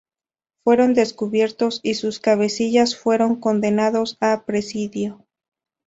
Fueron descubiertos y sus cabecillas fueron condenados a presidio.